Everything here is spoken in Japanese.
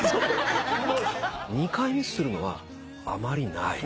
２回ミスするのはあまりない。